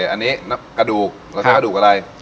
อันนี้กระดูกเราใช้กระดูกอะไร